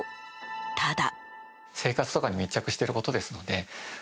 ただ。